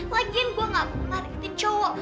lagian gua gak pernah niketin cowok